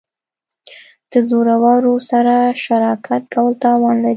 د زورورو سره شراکت کول تاوان لري.